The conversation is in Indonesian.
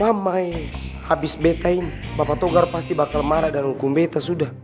mamai abis betain bapak togar pasti bakal marah dan ngukum beta sudah